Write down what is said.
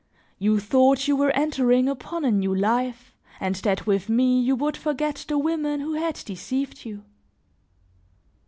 You thought you were entering upon a new life and that with me, you would forget the women who had deceived you.